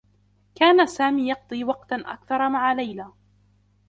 كان سامي يقضي وقتا أكثر مع ليلى.